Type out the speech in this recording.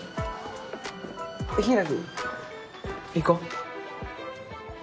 柊行こう。